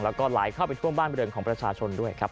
แล้วก็ไหลเข้าไปท่วมบ้านบริเวณของประชาชนด้วยครับ